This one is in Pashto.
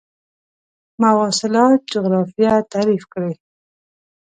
مواصلات جغرافیه تعریف کړئ.